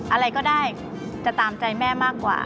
อะไรก็ได้จะตามใจแม่มากกว่า